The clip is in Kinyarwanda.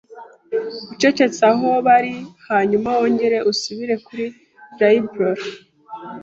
ucecetse aho bari hanyuma wongere usubire kuri "Lillibullero."